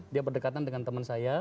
dia berdekatan dengan teman saya